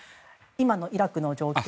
今のイラクの状況。